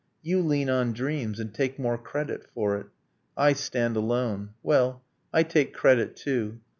You lean on dreams, and take more credit for it. I stand alone ... Well, I take credit, too.